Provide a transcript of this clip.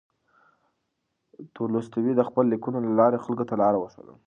تولستوی د خپلو لیکنو له لارې خلکو ته لاره وښوده.